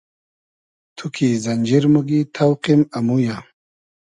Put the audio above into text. تو کی زئنجیر موگی تۆقیم امویۂ